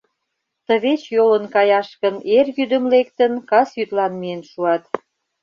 Тывеч йолын каяш гын, эр йӱдым лектын, кас йӱдлан миен шуат.